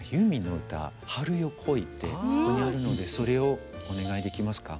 あそこにあるのでそれをお願いできますか。